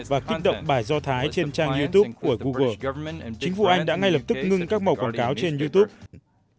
và kích động bài do thái trên trang youtube của google chính phủ anh đã ngay lập tức ngưng các màu quảng cáo trên youtube